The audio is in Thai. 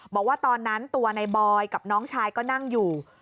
บอกว่าตอนนั้นตัวในบอยกับน้องชายก็นั่งอยู่